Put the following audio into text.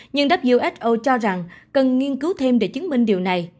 nhưng who cho rằng cần nghiên cứu thêm để chứng minh điều này